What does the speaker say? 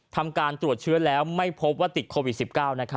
ทำการตรวจเชื้อแล้วไม่พบว่าติดโควิด๑๙